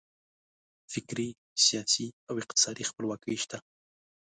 فکري، سیاسي او اقتصادي خپلواکي شته.